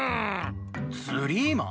ツリーマン？